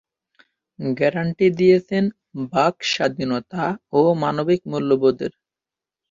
Guarantee দিয়েছেন বাক্ স্বাধীনতা ও মানবিক মূল্যবোধের।